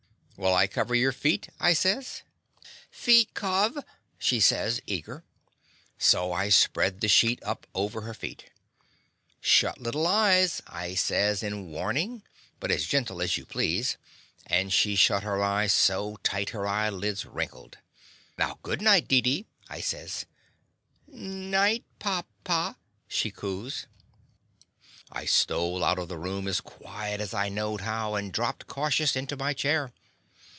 "Will I cover your feet?'' I says. "Feet cov," she sa^s, eager. So I spread the sheet up over her feet. "Shut little eyes," I says in warn ing, but as gentle as you please, and she shut up her eyes so tight her eye lids wrinkled. "Now, good night, Deedee," I says. "*Night, pa — ^pa!" she coos. I stole out of the room as quiet as I knowed how, and dropped cautious into my chair.